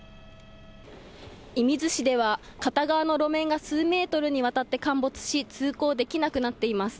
射水市では、片側の路線が数メートルにわたって陥没し、通行できなくなっています。